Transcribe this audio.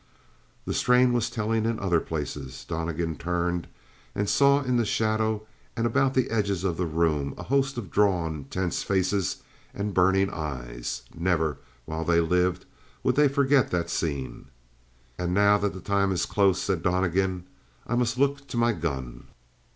The strain was telling in other places. Donnegan turned and saw in the shadow and about the edges of the room a host of drawn, tense faces and burning eyes. Never while they lived would they forget that scene. "And now that the time is close," said Donnegan, "I must look to my gun."